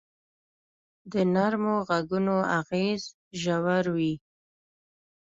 د نرمو ږغونو اغېز ژور وي.